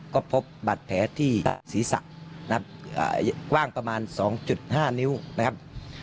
ก็พบบาดแผลที่ศีรษะนะครับกว้างประมาณ๒๕นิ้วนะครับ